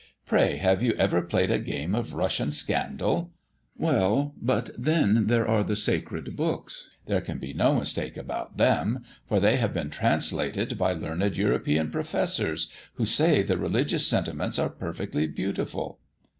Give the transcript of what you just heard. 'Pray, have you ever played a game of Russian scandal?' 'Well; but, then, there are the sacred books. There can be no mistake about them, for they have been translated by learned European professors, who say the religious sentiments are perfectly beautiful.'